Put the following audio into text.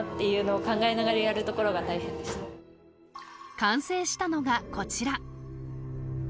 完成したのがこちら。